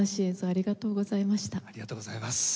ありがとうございます。